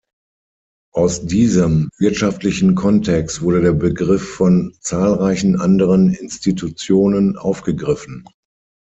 Aus diesem wirtschaftlichen Kontext wurde der Begriff von zahlreichen anderen Institutionen aufgegriffen.